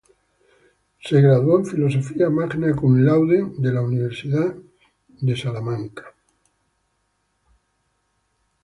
Se graduó en filosofía "magna cum laude" de la Universidad de California, Los Ángeles.